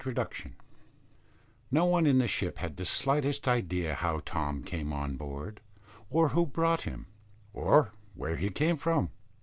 TOM'S INTRODUCTION. No one in the ship had the slightest idea how Tom came on board, or who brought him, or where he came from.